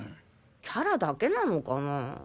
キャラだけなのかなぁ。